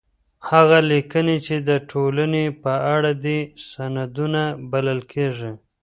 هغه ليکنې چي د ټولني په اړه دي، سندونه بلل کيږي.